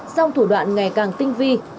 sau thủ đoạn ngày càng tinh vi